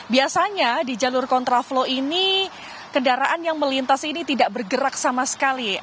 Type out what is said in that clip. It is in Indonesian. biasanya di jalur kontraflow ini kendaraan yang melintas ini tidak bergerak sama sekali